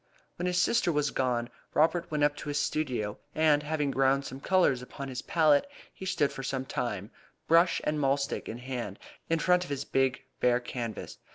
When his sister was gone Robert went up to his studio, and having ground some colours upon his palette he stood for some time, brush and mahlstick in hand, in front of his big bare canvas.